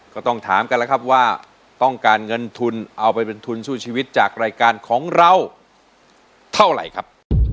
ก็ต้องถามกันแล้วครับว่าต้องการเงินทุนเอาไปเป็นทุนสู้ชีวิตจากรายการของเราเท่าไหร่ครับ